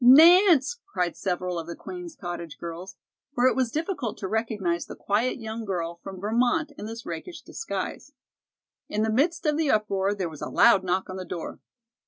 "Nance!" cried several of the Queen's Cottage girls, for it was difficult to recognize the quiet young girl from Vermont in this rakish disguise. In the midst of the uproar there was a loud knock on the door.